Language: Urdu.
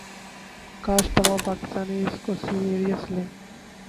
کاش تمام پاکستانی اس کو سیرس لیے